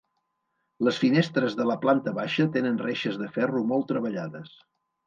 Les finestres de la planta baixa tenen reixes de ferro molt treballades.